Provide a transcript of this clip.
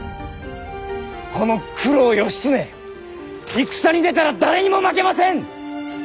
この九郎義経戦に出たら誰にも負けません！